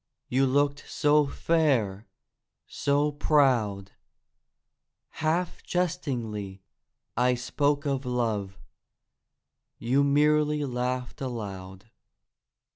You looked so fair, so proud; Half jestingly I spoke of love— You merely laughed aloud.